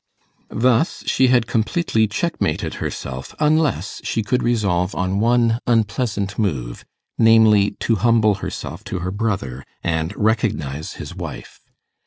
Thus she had completely checkmated herself, unless she could resolve on one unpleasant move namely, to humble herself to her brother, and recognize his wife.